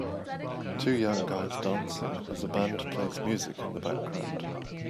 Two young guys dancing as a band plays music in the background.